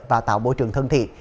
và tạo môi trường thân thiện